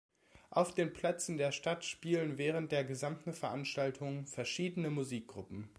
Auf den Plätzen der Stadt spielen während der gesamten Veranstaltung verschiedene Musikgruppen.